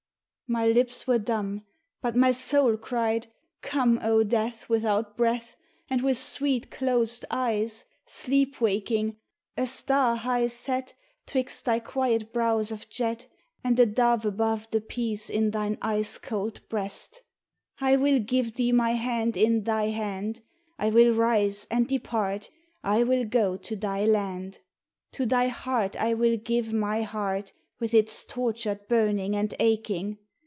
My lips were dumb, But my soul cried " Come 0 Death without breath And with sweet closed eyes, sleep waking, A star high set ? Twixt thy quiet brows of jet And a dove above The peace in thine ice cold breast. 1 will give thee my hand in thy hand, I will rise and depart, I will go to thy land. To thy heart I will give my heart With its tortured burning and aching.